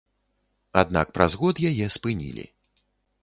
Аднак праз год яе спынілі.